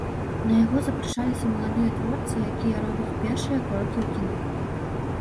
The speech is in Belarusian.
На яго запрашаліся маладыя творцы, якія робяць першыя крокі ў кіно.